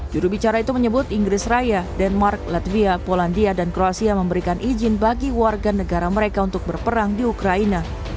jurubicara itu menyebut inggris raya denmark latvia polandia dan kroasia memberikan izin bagi warga negara mereka untuk berperang di ukraina